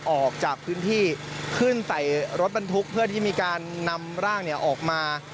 ออกจากพื้นที่ขึ้นใส่รถบรรทุกเพื่อที่มีการนำร่างออกมา